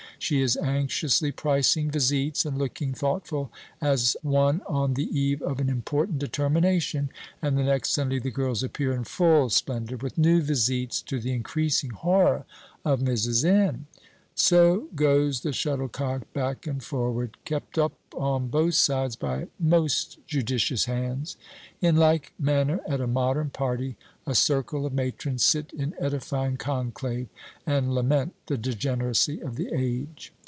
She is anxiously pricing visites, and looking thoughtful as one on the eve of an important determination; and the next Sunday the girls appear in full splendor, with new visites, to the increasing horror of Mrs. N. So goes the shuttlecock back and forward, kept up on both sides by most judicious hands. In like manner, at a modern party, a circle of matrons sit in edifying conclave, and lament the degeneracy of the age.